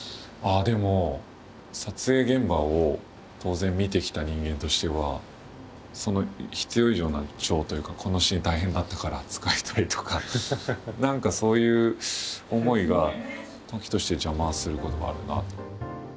ああでも撮影現場を当然見てきた人間としては必要以上な情というかこのシーン大変だったから使いたいとか何かそういう思いが時として邪魔をすることはあるなと。